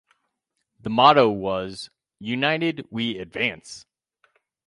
The motto was "United We Advance".